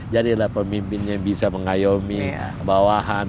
jadilah pemimpin yang bisa mengayomi bawahan